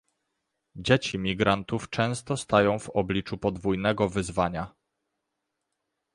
Dzieci migrantów często stają w obliczu podwójnego wyzwania